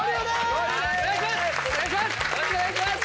お願いします！